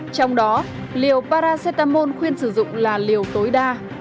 trong đó liều paracetamol khuyên sử dụng là liều tối đa